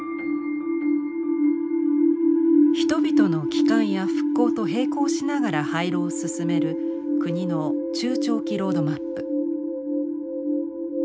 人々の帰還や復興と並行しながら廃炉を進める国の中長期ロードマップ。